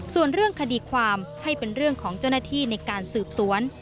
ส่วนเรื่องคดีความให้เป็นเรื่องของเจ้าหน้าที่ในการสืบสวน